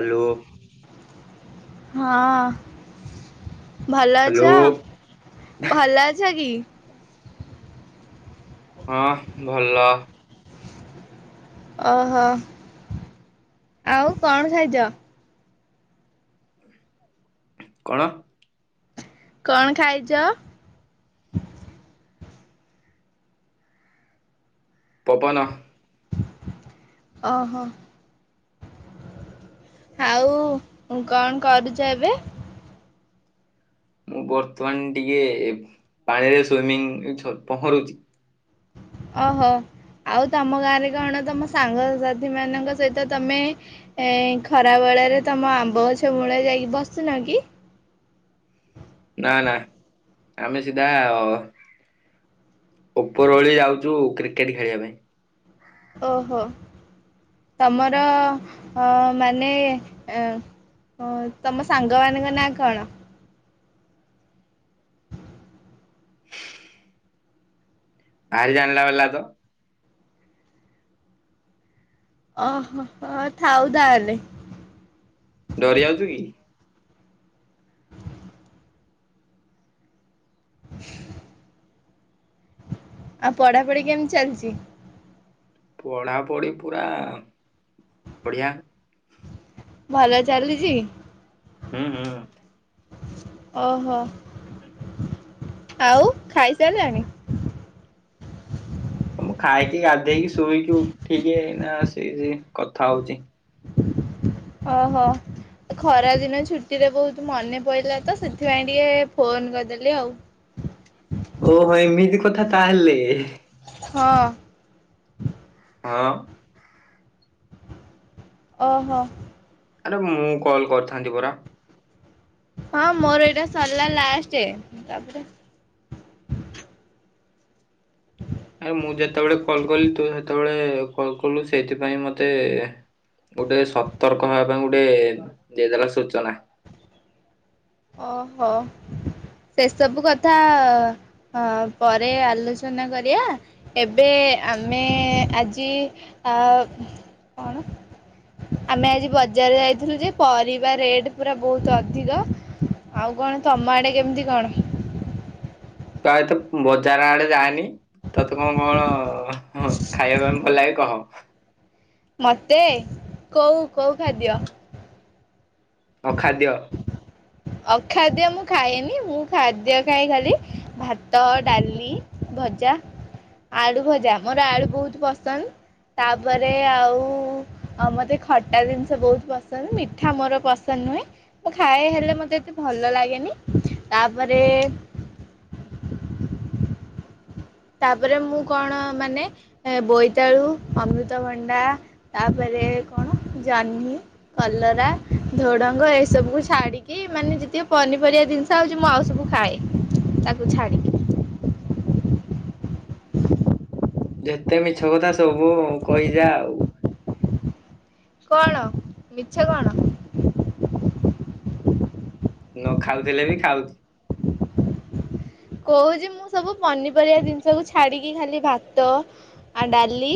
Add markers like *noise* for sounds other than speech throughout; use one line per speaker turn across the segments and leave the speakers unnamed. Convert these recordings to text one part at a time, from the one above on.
Hello.
ହଁ ଭଲ
hello
ଅଛ, ଭଲ ଅଛ କି?
ହଁ ଭଲ।
ଓହୋ ଆଉ କଣ ଖାଇଚ?
କଣ?
କଣ ଖାଇଚ?
ପବନ।
ଓହୋ। ଆଉ କଣ କରୁଚ ଏବେ?
ମୁଁ ବର୍ତ୍ତମାନ ଟିକେ ପାଣିରେ ସୁଇମିଂ ଛ ପହଁରୁଚି।
ଓହୋ ଆଉ ତମ ଗାଁରେ କଣ ତମ ସାଙ୍ଗସାଥି ମାନଙ୍କ ସହିତ ତମେ ଏଁ ଖରାବେେଳରେ ତମ ଆମ୍ବ ଗଛ ମୂଳେରେ ଯାଇକି ବସୁନ କି?
ନା ନା ଆମେ ସିଧା ଅ ଉପର ବୋଳି ଯାଉଚୁ କ୍ରିକେଟ ଖେଳିବା ପାଇଁ।
ଓହୋ ତମର ଅ ମାନେ ଏଁ ହଁ ତମ ସାଙ୍ଗମାନଙ୍କ ନାଁ କଣ?
ଭାରି ଜାଣିଲା ବାଲା ତ।
ଓହୋ ହୋ ଥାଉ ତାହେଲେ।
ଡରି ଯାଉଚୁ କି?
*inaudible* ଆଉ ପଢାପଢି କେମିତି ଚାଲିଚି?
ପଢାପଢି ପୁରା ବଢିଆ।
ଭଲ ଚାଲିଚି?
ହୁଁ- ହୁଁ
ଓହୋ।
*inaudible*
ଆଉ ଖାଇସାରିଲାଣି।
ମୁଁ ଖାଇକି ଗାଧେଇକି, ଶୋଇକି ଉଠିକି ଏଇନା କି କଥା ହଉଛି।
ଓହୋ। ଖରା ଦିନ ଛୁଟିରେ, ବହୁତ ମନେ ପଇଲା ତ ସେଥିପାଇଁ ଟିକେ ଫୋନ କରିଦେଲି ଆଉ।
ଏମିତି କଥା ତାହେଲେ।
ହଁ।
ହଁ -ହଁ
ଓହୋ।
ଆରେ ମୁଁ କଲ୍ କରିଥାନ୍ତି ପରା।
ହଁ ମୋର ଏଇଟା ସରିଲା ଲାଷ୍ଟ ତାପରେ,
ଆରେ ମୁଁ ଯେତେବେଳେ କଲ୍ କଲି ତୁ ସେତେବେଳେ କଲ କଲୁ ସେଇଥିପାଇଁ ମତେ ଗୋଟେ ସତର୍କ ହେବା ପାଇଁ ଗୋଟେ ଦେଇଦେଲା ସୂଚନା।
ଓହୋ ସେସବୁ କଥା ହଁ ପରେ ଆଲୋଚନା କରିବା। ଏବେ ଆମେ ଆଜି, କଣ? ଆମେ ଆଜି ବଜାର ଯାଇଥିଲୁ ଯେ, ପରିବା ରେଟ ପୁରା ବହୁତ ଅଧିକ। ଆଉ କଣ ତମ ଆଡେ କେମିତି କଣ?
ପ୍ରାଏତ ବଜାର ଆଡେ ଯାଏନି। ତତେ କଣ କଣ ଖାଇବା ପାଇଁ ଭଲ ଲାଗେ କହ?
ମତେ କୋଉ କୋଉ ଖାଦ୍ୟ।
ଅଖାଦ୍ୟ।
ଅଖାଦ୍ୟ ମୁଁ ଖାଏନି ମୁଁ ଖାଦ୍ୟ ଖଏ ଖାଲି ଭାତ, ଡାଲି ଭଜା ଆଳୁ ଭଜା ମୋର ଆଳୁ ବହୁତ ପସନ୍ଦ ତାପରେ, ଆଉ ମୋତେ ଖଟା ଜିନିଷ ବହୁତ ପସନ୍ଦ ମିଠା ମୋର ପସନ୍ଦ ନୁହେଁ, ମୁଁ ଖାଏ ହେଲେ ମତେ ଏତେ ଭଲ ଲାଗେନି ତାପରେ ତାପରେ ମୁଁ କଣ ମାନେ। ବୋଇତାଳୁ ଅମୃତଭଣ୍ଡା ତାପରେ କଣ ଜହ୍ନି କଲରା ଝୋ ଡଙ୍ଗ ଏସବୁ ଛାଡିକି ମାନେ ଯେତିକ ପନିପରିବା ଜିନିଷ ହଉଛି ମୁଁ ଆଉ ସବୁ ଖାଏ ତାକୁ ଛାଡକି।
ଯେତେ ମିଛ କଥା ସବୁ କହିଯା ଆଉ।
କଣ ମିଛ କଣ?
ନ ଖାଉଥିଲେ ବି ଖାଉଛି।
କହୁଛି ମୁଁ ସବୁ ପନିପରିବା ଜିନିଷକୁ ଛାଡିକି ଖାଲି ଭାତ ଆଉ ଡାଲି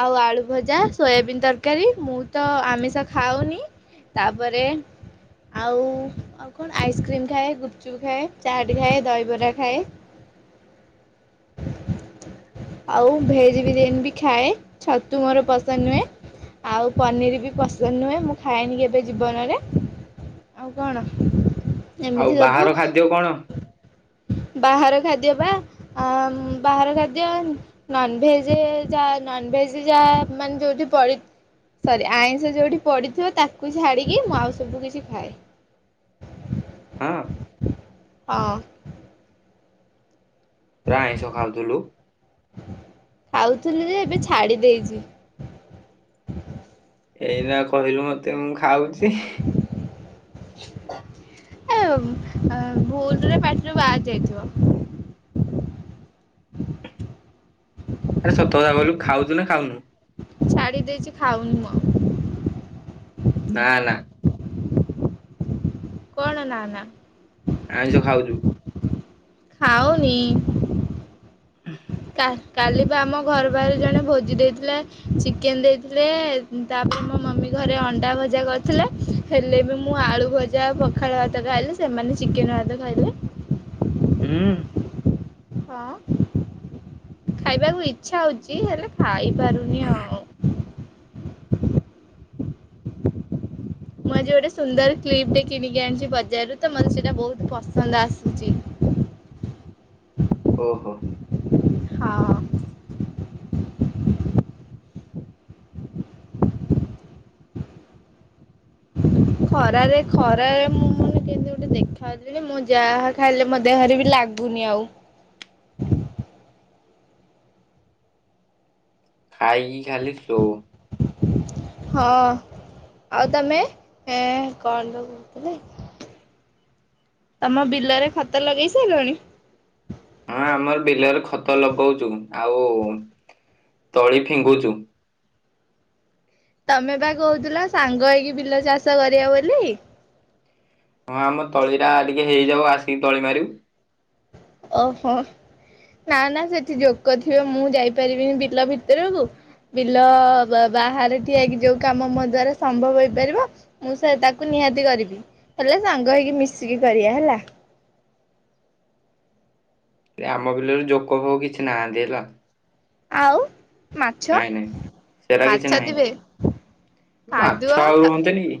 ଆଉ ଆଳୁ ଭଜା, ସୋୟାବିନ୍ ତରକାରୀ ମୁଁ ତ ଆମିଷ ଖାଉନି। ତାପରେ, ଆଉ ଆଉ କଣ ଆଇସ୍କ୍ରିମ ଖାଏ, ଗୁପଚୁପ ଖାଏ, ଚାଟ ଖାଏ, ଦହିବରା ଖାଏ ଆଉ ଭେଜ ବିରିୟାନୀ ବି ଖାଏ ଛତୁ ମୋର ପସନ୍ଦ ନୁହଁ। ଆଉ ପନିର ବି ପସନ୍ଦ ନୁହେଁ, ମୁଁ ଖାଏନି କେବେ ଜୀବନରେ ଆଉ କଣ
ଆଉ
ଏମିତି ସବୁ
ବାହାର ଖାଦ୍ୟ କଣ
ବାହାର ଖାଦ୍ୟ ବା ଆ ବାହାର ଖାଦ୍ୟ। ନନଭେଜ ଯାହା ନନଭେଜ ଯା ମାନେ ଯୋଉଠି ପଡି ସରି ଆଇଁଷ ଯୋଉଠି ପଡ଼ିଥିବ। ତାକୁ ଛାଡ଼ିକି ମୁଁ ଆଉ ସବୁ କିଛି ଖାଏ।
ହଁ।
ହଁ।
ପ୍ରାୟ ଆଇଁଷ ଖାଉଥିଲୁ।
ଖାଉଥିଲି ଯେ ଏବେ ଛାଡି ଦେଇଚି।
ଏଇନା କହିଲୁ ମତେ ମୁଁ ଖାଉଛି।
*inaudible* ଏ ଅ ଭୁଲରେ ପାଟିରୁ ବାହାରି ଯାଇଥିବ।
ଆରେ ସତ କଥା କଇଲୁ ଖାଉଛୁ ନା ଖାଉନୁ?
ଛାଡି ଦେଇଛି ଖାଉନି ମୁଁ ଆଉ।
ନାଁ ନା।
କଣ ନା ନା?
ଆଇଁଷ ଖାଉଛୁ।
ଖାଉନି।
ହୁଁ।
କା କାଲି ବା ଆମ ଘର ପାଖରେ ଜଣେ ଭୋଜି ଦେଇଥିଲେ। ଚିକେନ୍ ଦେଇଥିଲେ ତା ପରେ ମୋ ମମି ଘରେ ଅଣ୍ଡା ଭଜା କରିଥିଲେ। ହେଲେ ବି ମୁଁ ଆଳୁ ଭଜା ଆଉ ପଖାଳ ଭାତ ଖାଇଲି। ସେମାନେ ଚିକେନ୍ ଭାତ ଖାଇଲେ।
ହୁଁ।
ହଁ ଖାଇବାକୁ ଇଚ୍ଛା ହଉଛି ହେଲେ ଖାଇ ପାରୁନି ଆଉ। *inaudible* ମୁଁ ଆଜି ଗୋଟେ ସୁନ୍ଦର କ୍ଲିପ୍ ଟେ କିଣିକି ଆଣିଛି ବଜାରରୁ ତ ମତେ ସେଇଟା ବୋହୁତ ପସନ୍ଦ ଆସିଛି।
ଓହୋ।
ହଁ। ଖରାରେ ଖରାରେ ମୁଁ ମାନେ କେମିତି ଗୋଟେ ଦେଖାଯାଉଛି ଯେ। ମୁଁ ଯାହା ଖାଇଲେ ମୋ ଦେହରେ ବି ଲାଗୁ ନି ଆଉ।
ଖାଇକି ଖାଲି ଶୋଉ।
ହଁ ଆଉ ତମେଏ କଣ ତ କହୁଥିଲ। ତମ ବିଲରେ ଖତ ଲଗେଇ ସାଇଲଣି?
ହଁ ଆମର ବିଲ ରେ ଖତ ଲଗଉଛୁ ଆଉ ତଳି ଫିଙ୍ଗୁଛୁ।
ତମେ ବା କହୁଥିଲ ସାଙ୍ଗ ହେଇକି ବିଲ ଚାଷ କରିବା ବୋଲି।
ହଁ ଆମ ତଳି ଟା ଆଉ ଟିକେ ହେଇଯାଉ ଆସି ତଳି ମାରିବୁ।
ଓହୋ ନା ନା ସେଠି ଯୋକ ଥିବେ। ମୁଁ ଯାଇ ପାରିବିନି ବିଲ ଭିତରୁକୁ। ବିଲ ବାହାରେ ଠିଆ ହେଇ କି ଯୋଉ କାମ ମୋ ଦ୍ଵାରା ସମ୍ଭବ ହେଇପାରିବ। ମୁଁ ସେ ତାକୁ ନିହାତି କରିବି। ହେଲେ ସାଙ୍ଗ ହେଇକି ମିଶିକି କରିବା ହେଲା।
ଏ ଆମ ବିଲରେ ଯୋକ ଫୋକ କିଛି ନାହାନ୍ତି ହେଲା।
ଆଉ ମାଛ
ନାଇଁ ନାଇଁ ସେରା କିଛି
ମାଛ
ନାହିଁ
ଥିବେ।
ମାଛ
କାଦୁଅ
ଆଉ
କା
ରୁହନ୍ତିନି କି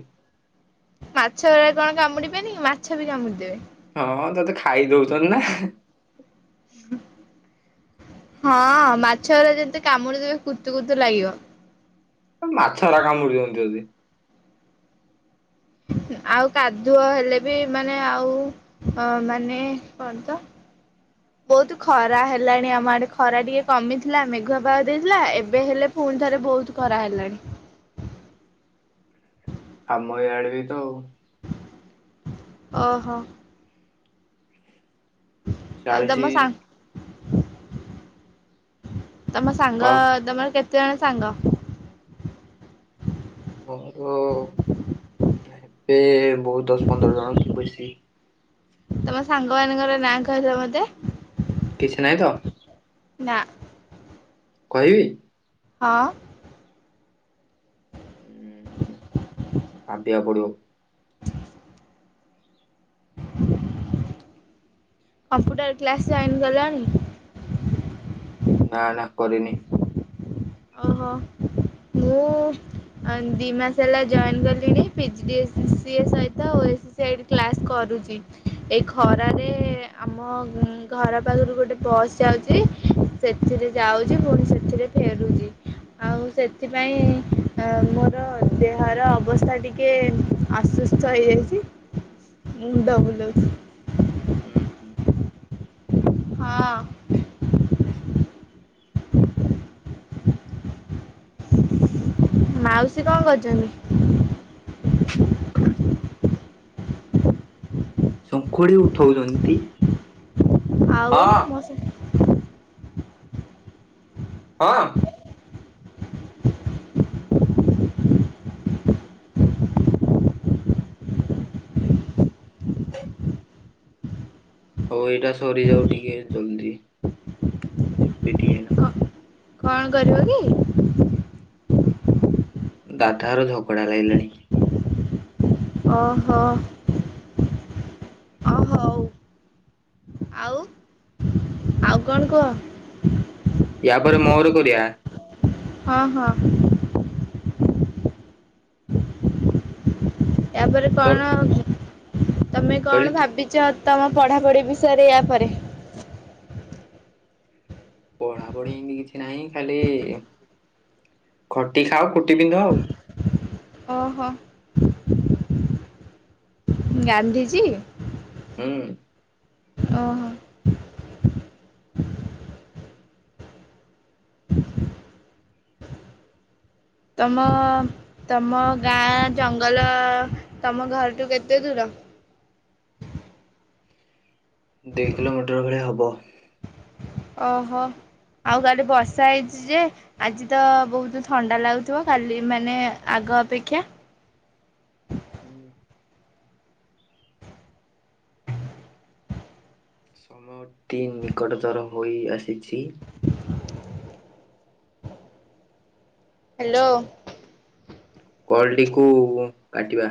ମାଛ ଗୁରା କଣ କାମୁଡି ବେନି ମାଛ ବି କାମୁଡି ଦେବେ।
ହଁ ତତେ ଖାଇ ଦଉଛନ୍ତି ନା।
ହଁ ମାଛ ଗୁରା ଯେମିତି କାମୁଡି ଦେବେ କୁତୁ କୁତୁ ଲାଗିବ।
ମାଛ ଗୁରା କାମୁଡି ଦଉଛନ୍ତି।
ଆଉ କାଦୁଅ ହେଲେ ବି ମାନେ ଆଉ ହଁ ମାନେ କଣ ତ ବହୁତ ଖରା ହେଲାଣି ଆମ ଆଡ଼େ ଖରା ଟିକେ କମିଥିଲା ମେଘୁଆ ପାଗ ଦେଇଥିଲା ଏବେ ହେଲେ ପୁଣି ଥରେ ବହୁତ ଖରା ହେଲାଣି।
ଆମ ଇଆଡ଼େ ବି ତ ଆଉ।
ଓହୋ ଆଉ
ଚାଳିଶି
ତମ ସାଙ୍ଗ ତମ ସାଙ୍ଗ
କଣ
ତମର କେତେ ଜଣ ସାଙ୍ଗ?
ମୋର ହେବେ ବହୁ ଦଶ ପନ୍ଦର ଜଣ କି ବେଶୀ।
ତମ ସାଙ୍ଗ ମାନଙ୍କର ନାଁ କହିିଲ ମତେ।
କିଛି ନାହିଁ ତ?
ନାଁ
କହିବି।
ହଁ
ଭାବିବାକୁ ପଡ଼ିବ।
କମ୍ପ୍ୟୁଟର୍ କ୍ଲାସ୍ ଜଏନ୍ କଲଣି।
ନାଁ ନାଁ କରିନି।
ଅହୋ ମୁଁ ଦି ମାସ ହେଲା ଜଏନ୍ କଲେଣି ପିଜିଡିଏସ୍ ଓସିସିଆଇ କ୍ଲାସ୍ କରୁଛି। ଏ ଖରା ରେ ଆମ ଘର ପାଖରୁ ଗୋଟେ ବସ୍ ଯାଉଛି। ସେଥିରେ ଯାଉଛି ପୁଣି ସେଥିରେ ଫେରୁଛି ଆଉ ସେଥିପାଇଁ ମୋର ଦେହର ଅବସ୍ଥା ଟିକେ ଆସୁସ୍ଥ ହେଇଯାଇଛି ମୁଁଣ୍ଡ ବୁଲଉଛି।
ଉୁଁ ହୁଁ
ହଁ ମାଉସୀ କଣ କରୁଛନ୍ତି?
ଶଙ୍ଖୁଡ଼ି ଉଠଉଛନ୍ତି।
ଆଉ
ହଁ
ମୋ
ହଁ ହଉ ଏଇଟା ସରିଯାଉ ଟିକେ ଜଲଦି ଯିବି ଟିକେ ନା
କଣ କରିବ କି?
ଦାଦାର ଝଗଡ଼ା ଲାଗିଲାଣି।
ଓହୋ ଅ ହୋଉ। ଆଉ ଆଉ କଣ କୁହ?
ଇଆ ପରେ ମୋର କରିବା।
ହଁ ହଁ ତାପରେ
ତୋର
କଣ ତମେ
କହିଲି
କଣ
ତୁ
ଭାବିଚ? ତମ ପଢ଼ାପଢ଼ି ବିଷୟରେ ୟାପରେ।
ପଢ଼ା ପଢ଼ି ଏମତି କିଛି ନାହିଁ ଖାଲି ଖଟି ଖାଅ ଖୁଟି ପିନ୍ଧ ଆଉ।
ଓହୋ ଗାନ୍ଧୀଜୀ
ହୁଁ
ଓହୋ ତମ ତମ ଗାଁ ଜଙ୍ଗଲ ତମ ଘରଠୁ କେତେ ଦୂର?
ଦୁଇ କିଲୋମିଟର ଭଲିଆ ହବ।
ଓହୋ ଆଉ କାଲି ବର୍ଷା ହେଇଛି ଯେ ଆଜି ତ ବହୁତ ଥଣ୍ଡା ଲାଗୁଥିବ କାଲି ମାନେ ଆଗ ଅପେକ୍ଷା?
ହୁଁ ସମୟଟି ନିକଟତର ହୋଇ ଆସିଛି।
ହ୍ୟାଲୋ।
କଲଟିକୁ କାଟିବା।